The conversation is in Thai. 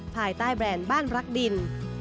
ภายใต้แบรนด์บ้านรักดิน